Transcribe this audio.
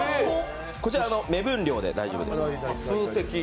こちら目分量で大丈夫です。